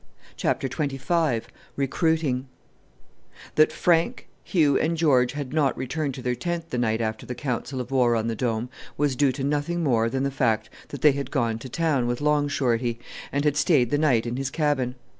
CHAPTER XXV RECRUITING That Frank, Hugh, and George had not returned to their tent the night after the council of war on the Dome was due to nothing more than the fact that they had gone to town with Long Shorty, and had stayed the night in his cabin.